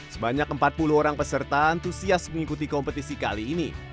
sebanyak empat puluh orang peserta antusias mengikuti kompetisi kali ini